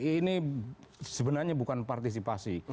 ini sebenarnya bukan partisipasi